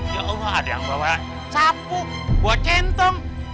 ya allah ada yang bawa sapu bawa centong